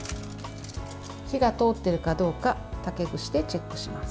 火が通っているかどうか竹串でチェックします。